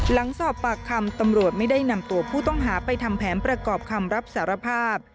หลังสอบปากคำตำรวจไม่ได้นำตัวผู้ต้องหาไปทำแผนประกอบคำรับสารภาพ